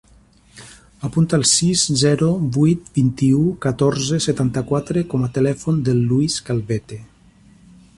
Apunta el sis, zero, vuit, vint-i-u, catorze, setanta-quatre com a telèfon del Luis Calvete.